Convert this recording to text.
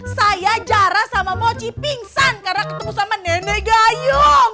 saya jarang sama mochi pingsan karena ketemu sama nenek gayu